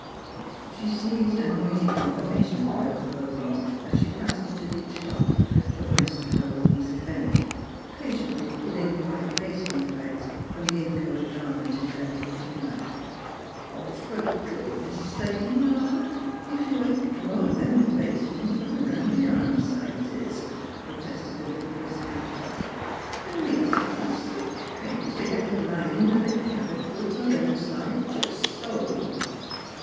She sneezed a noisy confirmation of her fore bodings, as she passed into the " shop " where sat old Mrs. Bennett, patiently pulling white basting threads from the inchoate garment in her aproned lap. " Fer goodness sake, Ma ! ef you ain't drawed them bastin's from around the arm sizes," pro tested the little dressmaker. " An' me takin' sech pains t' git th' linin' 'n' th' gathered goods on th' outside jes' so."